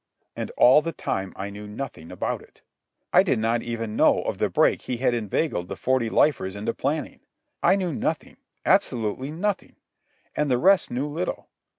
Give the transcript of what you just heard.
And all the time I knew nothing about it. I did not even know of the break he had inveigled the forty lifers into planning. I knew nothing, absolutely nothing. And the rest knew little.